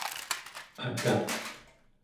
ata¹